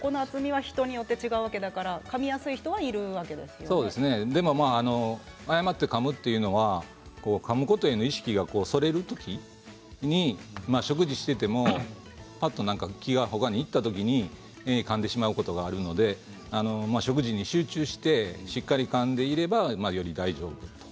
かみやすい人は誤ってかむというのはかむことの意識が、それる時に食事していてもぱっと気が他にいった時にかんでしまうことがあるので食事に集中してしっかりかんでいれば前より大丈夫。